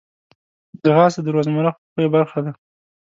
ځغاسته د روزمره خوښیو برخه ده